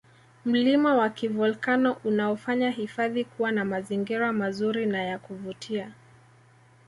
mlima wa kivolkano unaofanya hifadhi kuwa na mazingira mazuri na yakuvutia